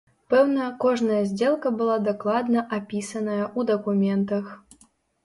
Пэўна, кожная здзелка была дакладна апісаная ў дакументах.